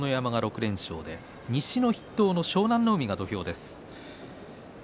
東の筆頭豪ノ山が６連勝で西の筆頭、湘南乃海が土俵です。